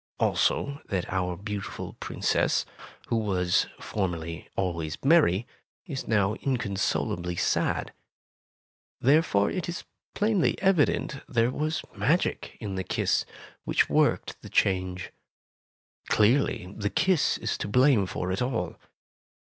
Also that our beautiful Princess, who was formerly always merry, is now inconsolably sad. Therefore, it is plainly evident there was magic in the kiss, which worked the change. Clearly, the kiss is to blame for it all.